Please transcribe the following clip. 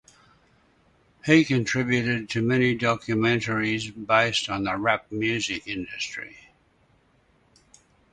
He contributed to many documentaries based on the rap music industry.